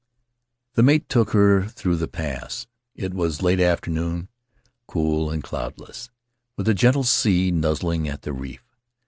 "The mate took her in through the pass. It was late afternoon, cool and cloudless, with a gentle sea nuzzling at the reef.